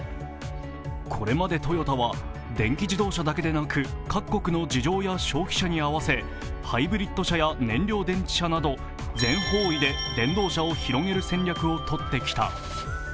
これまでトヨタは電気自動車だけでなく、各国の事情や消費者に合わせ、ハイブリッド車や燃料電池車など全方位で電動車を広げる戦略をとってきた。